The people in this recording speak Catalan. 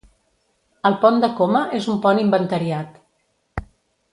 El Pont de Coma és un pont inventariat.